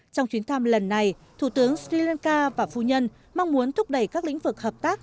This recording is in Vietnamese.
trong chuyến thăm lần này thủ tướng sri lanka và phu nhân mong muốn thúc đẩy các lĩnh vực hợp tác